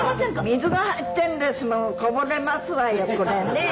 水が入ってるんですものこぼれますわよこれね。